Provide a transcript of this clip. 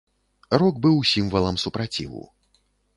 Рок быў сімвалам супраціву.